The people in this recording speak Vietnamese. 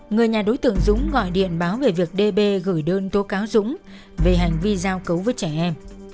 người nhà đối tượng dũng gọi điện báo về việc đê bê gửi đơn thô cáo dũng về hành vi giao cấu với trẻ em